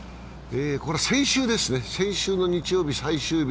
先週の日曜日、最終日。